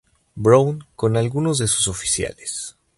Brown con algunos de sus oficiales.